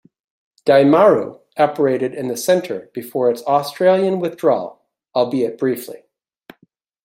Daimaru operated in the centre before its Australian withdrawal, albeit briefly.